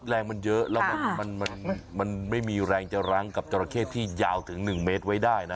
แรงมันเยอะแล้วมันไม่มีแรงจะรั้งกับจราเข้ที่ยาวถึง๑เมตรไว้ได้นะ